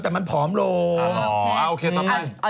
ก็แต่มันผอมโหลอ๋อโอเคต้องมั้ย